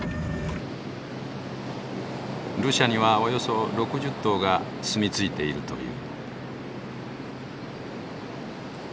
ルシャにはおよそ６０頭が住みついているという。